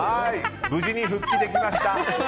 無事に復帰できました。